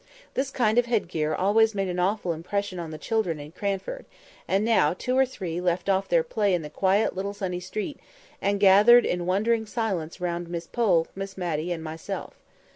This kind of head gear always made an awful impression on the children in Cranford; and now two or three left off their play in the quiet sunny little street, and gathered in wondering silence round Miss Pole, Miss Matty, and myself.